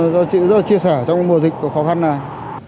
rất là chia sẻ trong mùa dịch khó khăn này